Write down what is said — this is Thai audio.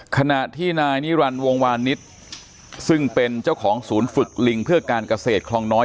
ขณะที่นายนิรันดิ์วงวานิสซึ่งเป็นเจ้าของศูนย์ฝึกลิงเพื่อการเกษตรคลองน้อย